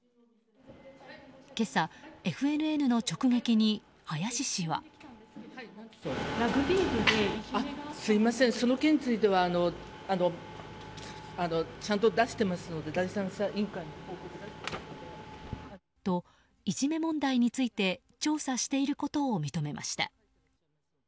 今朝、ＦＮＮの直撃に林氏は。と、いじめ問題について調査していることを認めました。